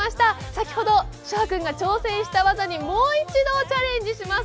先ほど翔海君が挑戦した技にもう一度チャレンジします。